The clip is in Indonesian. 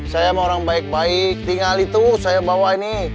saya sama orang baik baik tinggal itu saya bawa ini